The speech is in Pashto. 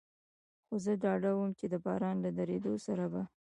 خو زه ډاډه ووم، چې د باران له درېدو سره به.